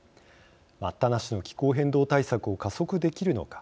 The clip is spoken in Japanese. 待ったなしの気候変動対策を加速できるのか。